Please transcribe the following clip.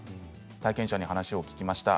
体験者に話を聞きました。